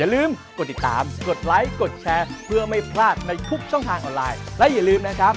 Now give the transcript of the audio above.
และอย่าลืมนะครับ